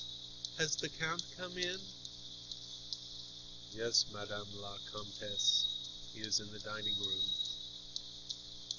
"Has the count come in?" "Yes, Madame la Comtesse. He is in the diningroom."